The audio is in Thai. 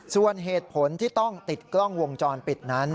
ส่วนเหตุผลที่ต้องติดกล้องวงจรปิดนั้น